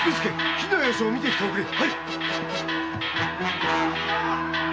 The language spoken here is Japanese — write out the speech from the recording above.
火の様子を見てきておくれ。